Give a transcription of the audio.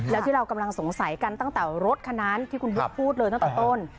แล้วที่เรากำลังสงสัยกันตั้งแต่รถคันนั้นที่คุณบุ๊คพูดเลยตั้งแต่ต้น